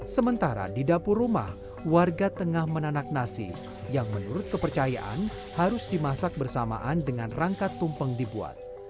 sementara di dapur rumah warga tengah menanak nasi yang menurut kepercayaan harus dimasak bersamaan dengan rangka tumpeng dibuat